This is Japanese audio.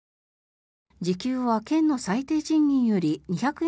時給は、県の最低賃金より２００円